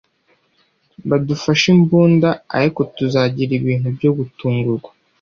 Badufashe imbunda, ariko tuzagira ibintu byo gutungurwa.